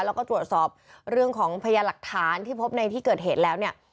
แล้วก็ตรวจสอบเรื่องของพยานหลักฐานที่พบในที่เกิดเหตุแล้วเนี่ย